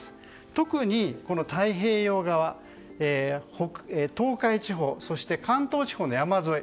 特に太平洋側、東海地方そして関東地方の山沿い